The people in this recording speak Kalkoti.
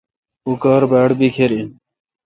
اوں کار باڑ بکھر این۔